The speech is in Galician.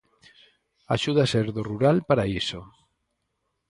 Axuda ser do rural para iso.